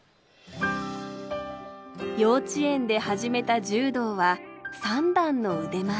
幼稚園で始めた柔道は三段の腕前。